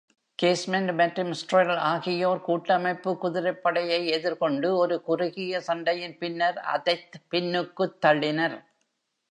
Casement மற்றும் ஸ்டெர்ல் ஆகியோர் கூட்டமைப்பு குதிரைப்படையை எதிர்கொண்டு ஒரு குறுகிய சண்டையின் பின்னர் அதைத் பின்னுக்குத் தள்ளினர்.